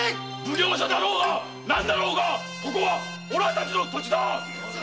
奉行所だろうか何だろうがここはオラたちの土地だぞ！